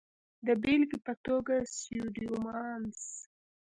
د بېلګې په توګه سیوډوموناس.